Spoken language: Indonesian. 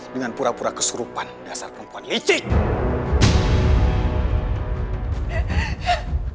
dengan pura pura kesurupan dasar perempuan licik